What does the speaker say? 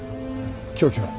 凶器は？